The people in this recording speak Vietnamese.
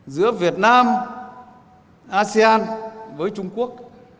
giữa việt nam asean với trung quốc